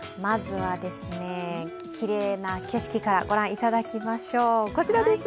まずはきれいな景色からご覧いただきましょう。